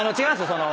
その。